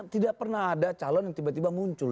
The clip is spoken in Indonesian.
tidak pernah ada calon yang tiba tiba muncul